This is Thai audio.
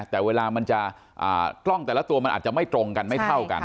แต่เวลามันจะกล้องแต่ละตัวมันอาจจะไม่ตรงกันไม่เท่ากัน